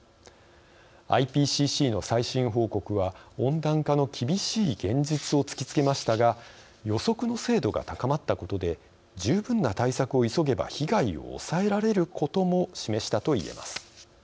ＩＰＣＣの最新報告は温暖化の厳しい現実を突きつけましたが予測の精度が高まったことで十分な対策を急げば被害を抑えられることも示したといえます。